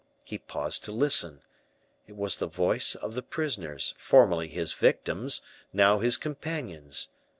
He paused to listen; it was the voice of the prisoners, formerly his victims, now his companions.